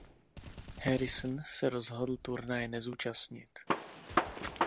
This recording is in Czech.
Harrison se rozhodl turnaje nezúčastnit.